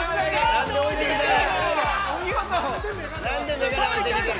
何で置いてきたんや。